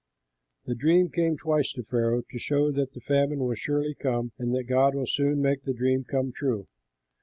"The dream came twice to Pharaoh to show that the famine will surely come, and that God will soon make the dream come true.